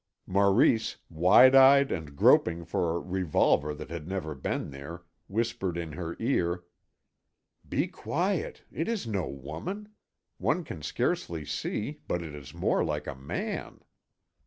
Maurice, wide eyed and groping for a revolver that had never been there, whispered in her ear: "Be quiet ... it is no woman. One can scarcely see, but it is more like a man."